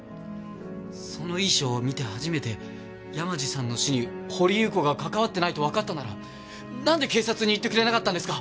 その遺書を見て初めて山路さんの死に掘祐子が関わってないとわかったならなんで警察に言ってくれなかったんですか？